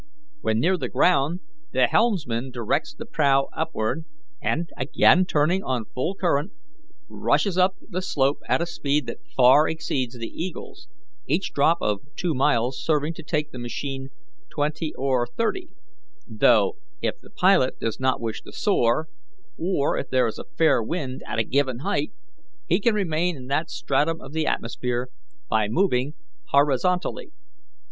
When near the ground the helmsman directs the prow upward, and, again turning on full current, rushes up the slope at a speed that far exceeds the eagle's, each drop of two miles serving to take the machine twenty or thirty; though, if the pilot does not wish to soar, or if there is a fair wind at a given height, he can remain in that stratum of the atmosphere by moving horizontally.